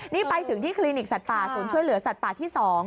นี่ไปถึงที่คลินิกสัตว์ป่าศูนย์ช่วยเหลือสัตว์ป่าที่๒